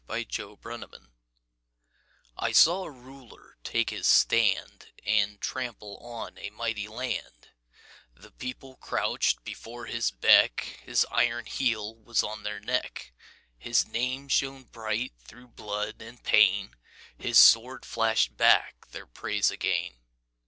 VERSE: THE THREE RULERS I saw a Ruler take his stand And trample on a mighty land; The People crouched before his beck, His iron heel was on their neck, His name shone bright through blood and pain, His sword flashed back their praise again.